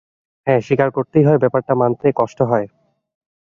হ্যাঁ, স্বীকার করতেই হয়, ব্যাপারটা মানতে কষ্ট হয়।